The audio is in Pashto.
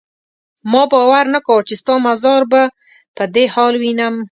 ما باور نه کاوه چې ستا مزار به په دې حال وینم.